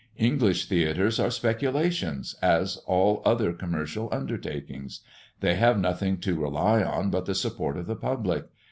English theatres are speculations, as all other commercial undertakings; they have nothing to rely on but the support of the public.